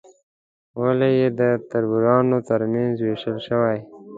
غولی یې د تربرونو تر منځ وېشل شوی.